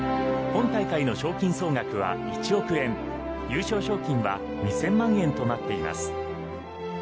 本大会の賞金総額は１億円優勝賞金は２０００万円となっています。